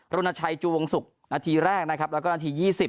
โรนาชัยจูวงศุกร์นาทีแรกแล้วก็นาที๒๐